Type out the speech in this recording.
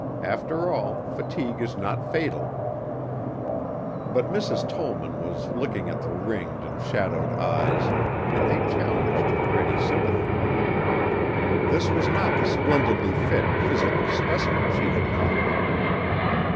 After all fatigue is not fatal." But Mrs. Tollman was looking at the ringed and shadowed eyes and they challenged her ready sympathy. This was not the splendidly fit physical specimen she had known.